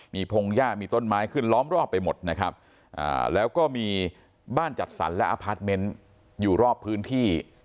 มีพงหญ้ามีต้นไม้ขึ้นล้อมรอบไปหมดนะครับแล้วก็มีบ้านจัดสรรและอพาร์ทเมนต์อยู่รอบพื้นที่